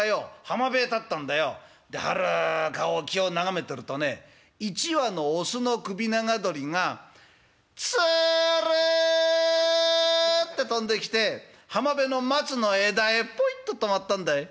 浜辺へ立ったんだよ。ではるか沖を眺めてるとね１羽のオスの首長鳥がつるって飛んできて浜辺の松の枝へポイッと止まったんだい。